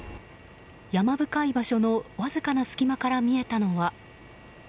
山深い場所のわずかな隙間から見えたのは。